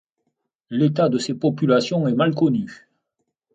L'état de ses populations est mal connu.